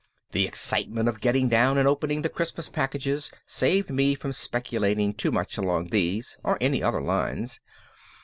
The excitement of getting down and opening the Christmas packages saved me from speculating too much along these or any other lines.